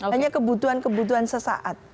hanya kebutuhan kebutuhan sesaat